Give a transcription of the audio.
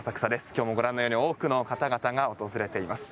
今日もご覧のように多くの方々が訪れています。